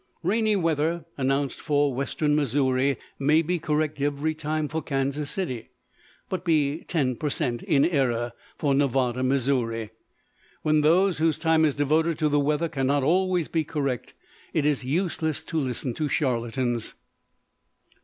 Rainy weather announced for western Missouri may be correct every time for Kansas City, but be 10 per cent. in error for Nevada, Missouri. When those whose time is devoted to the weather can not always be correct, it is useless to listen to charlatans.